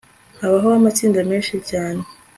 habaho amatsinda menshi cyane